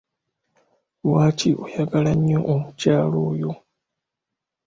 Lwaki oyagala nnyo omukyala oyo?